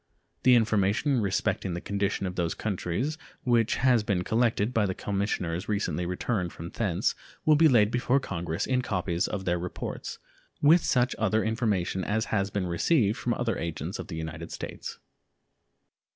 The information respecting the condition of those countries which has been collected by the commissioners recently returned from thence will be laid before Congress in copies of their reports, with such other information as has been received from other agents of the United States.